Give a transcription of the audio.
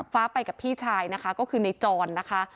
ฟ้าไปกับพี่ชายนะคะก็คือในจรนะคะ